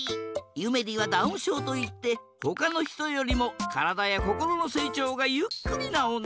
ゆめりはダウンしょうといってほかのひとよりもからだやこころのせいちょうがゆっくりなおんなのこ。